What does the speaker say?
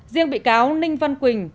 riêng bị cáo ninh văn quỳnh